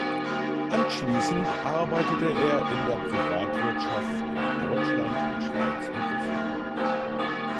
Anschließend arbeitete er in der Privatwirtschaft in Deutschland, der Schweiz und Russland.